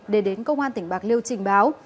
để đến công an tỉnh bạc liêu trình báo